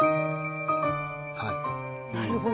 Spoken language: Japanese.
なるほど。